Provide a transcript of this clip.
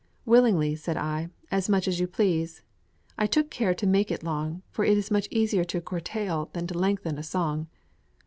"Willingly," said I; "as much as you please. I took care to make it long, for it is much easier to curtail than to lengthen a song."